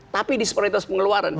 tapi disparitas pengeluaran